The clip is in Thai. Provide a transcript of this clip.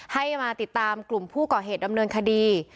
ให้มาติดตามกลุ่มผู้ก่อเหตุดำเนินคดี